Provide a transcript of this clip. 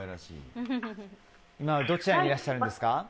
今、どちらにいらっしゃいますか？